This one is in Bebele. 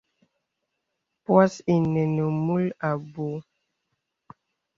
Pwas inə nə̀ mūl abù.